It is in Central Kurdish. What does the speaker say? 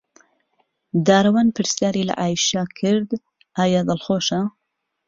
دارەوان پرسیاری لە عایشە کرد ئایا دڵخۆشە.